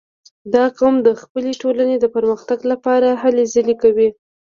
• دا قوم د خپلې ټولنې د پرمختګ لپاره هلې ځلې کوي.